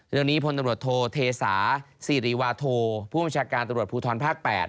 เรื่องนี้พลตำรวจโทเทสาสิริวาโทผู้บัญชาการตำรวจภูทรภาค๘